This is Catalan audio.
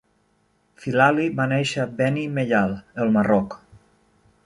Filali va néixer a Beni Mellal, el Marroc.